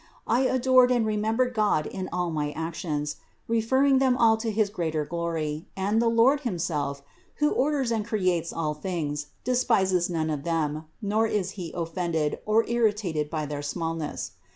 I adored and remembered God in all my actions, referring them all to his greater glory; and the Lord himself, who orders and creates all things, de spises none of them, nor is He offended, or irritated by their smallness.